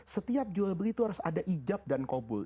setiap jual beli itu harus ada ijab dan kobul